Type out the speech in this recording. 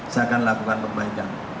saya akan lakukan perbaikan